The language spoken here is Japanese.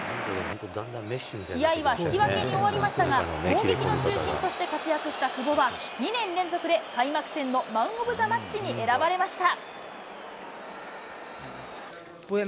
試合は引き分けに終わりましたが、攻撃の中心として活躍した久保は、２年連続で開幕戦のマンオブザマッチに選ばれました。